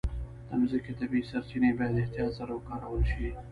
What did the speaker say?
د مځکې طبیعي سرچینې باید احتیاط سره وکارول شي.